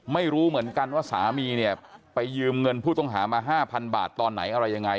ไม่รู้เหมือนกันว่าสามีเนี่ยไปยืมเงินผู้ต้องหามา๕๐๐บาทตอนไหนอะไรยังไง